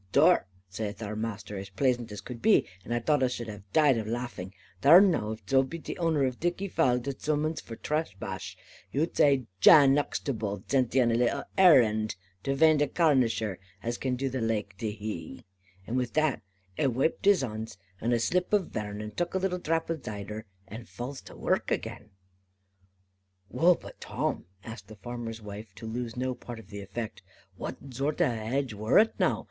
"'Thar,' zaith our Maister, as plaisant as cud be, and ai thought us shud have died of laffing, 'thar now, if zo be the owner of thiccy falde zummons e for traspash, you zay Jan Uxtable zent e on a little arrand, to vaind a Carnisher as can do the laike to he.' And wi' that, a waiped his hons with a slip of vern, and tuk a little drap of zider, and full to's wark again." "Wull, but Tim," asked the farmer's wife, to lose no part of the effect, "what zort of a hadge wor it now?